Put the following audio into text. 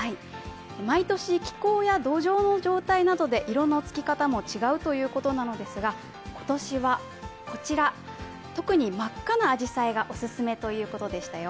毎年気候や土壌の状態などで色のつき方も違うということなのですが今年はこちら、特に真っ赤なあじさいがお勧めということでしたよ。